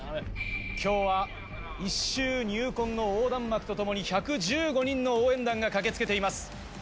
今日は「一蹴入魂」の横断幕と共に１１５人の応援団が駆け付けています。